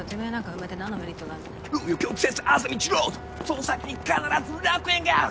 その先に必ず楽園がある。